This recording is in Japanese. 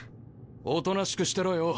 おとなしくしてろよ。